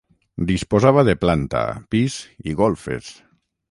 Disposava de planta, pis i golfes.